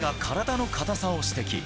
青木が体の硬さを指摘。